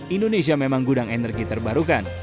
indonesia memang gudang energi terbarukan